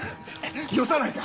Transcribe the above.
よさないか！